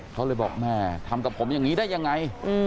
เขาเลยบอกแม่ทำกับผมอย่างนี้ได้ยังไง